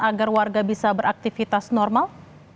agar warga bisa beraktivitas normal